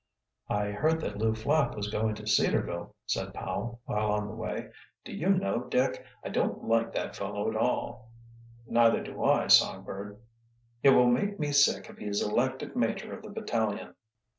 "I heard that Lew Flapp was going to Cedarville," said Powell, while on the way. "Do you know, Dick, I don't like that fellow at all." "Neither do I, Songbird." "It will make me sick if he is elected major of the battalion."